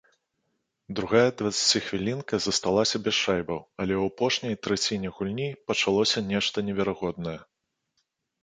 Другая дваццаціхвілінка засталася без шайбаў, але ў апошняй траціне гульні пачалося нешта неверагоднае.